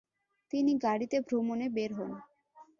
তিনি গাড়িতে ভ্রমনে বের হন।